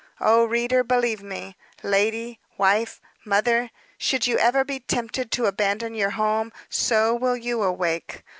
Oh, reader, believe me! Lady wife mother! Should you ever be tempted to abandon your home, so will you awake.